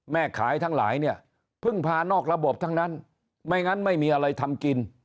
แม่ขายทั้งหลายเนี่ยพึ่งพานอกระบบทั้งนั้นไม่งั้นไม่มีอะไรทำกิน